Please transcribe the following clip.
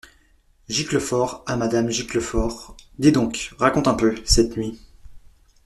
Giclefort, à madame Giclefort. — Dis-donc, raconte un peu, cette nuit…